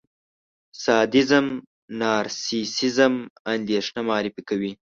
سادېزم، نارسېسېزم، اندېښنه معرفي کوي.